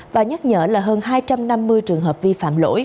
và nhắc nhở là hơn hai trăm năm mươi trường hợp vi phạm lỗi